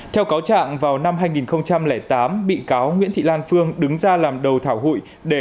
theo cáo trạng vào năm hai nghìn tám bị cáo nguyễn thị lan phương đứng ra làm đầu thảo hụi để